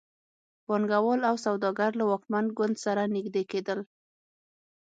پانګوال او سوداګر له واکمن ګوند سره نږدې کېدل.